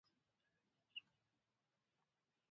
تالابونه د افغانستان د ځایي اقتصادونو یو بنسټ دی.